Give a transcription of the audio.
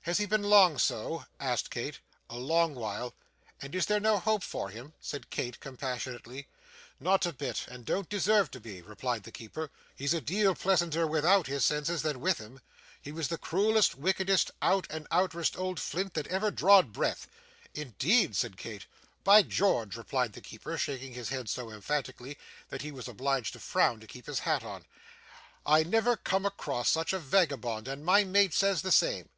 'Has he been long so?' asked Kate. 'A long while.' 'And is there no hope for him?' said Kate, compassionately 'Not a bit, and don't deserve to be,' replied the keeper. 'He's a deal pleasanter without his senses than with 'em. He was the cruellest, wickedest, out and outerest old flint that ever drawed breath.' 'Indeed!' said Kate. 'By George!' replied the keeper, shaking his head so emphatically that he was obliged to frown to keep his hat on. 'I never come across such a vagabond, and my mate says the same.